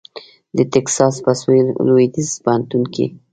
د ټیکساس په سوېل لوېدیځ پوهنتون کې